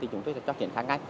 chúng tôi sẽ chuyển thay ngay